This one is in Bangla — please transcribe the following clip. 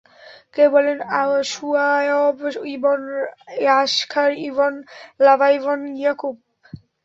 কেউ বলেন, শুআয়ব ইবন য়াশখার ইবন লাবায় ইবন ইয়াকূব।